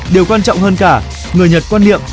điều quan trọng hơn cả người nhật quan niệm